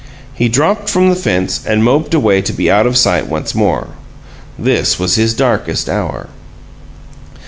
He dropped from the fence and moped away to be out of sight once more. This was his darkest hour.